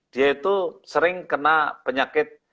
dia itu sering kena penyakit